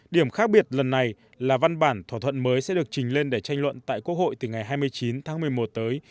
điểm khác biệt lần này là văn bản thỏa thuận mới sẽ được trình lên để tranh luận tại quốc hội từ ngày hai mươi chín tháng một mươi một tới